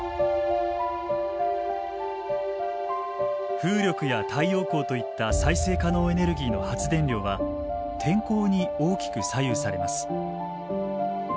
風力や太陽光といった再生可能エネルギーの発電量は天候に大きく左右されます。